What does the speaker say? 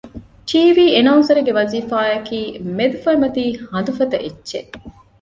ޓީވީ އެނައުންސަރެއްގެ ވަޒީފާއަކީ މެދުފޮއިމަތީ ހަނދު ފަދަ އެއްޗެއް